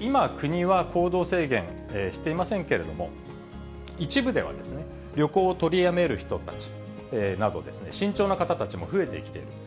今国は行動制限していませんけれども、一部では、旅行を取りやめる人たちなど、慎重な方たちも増えてきていると。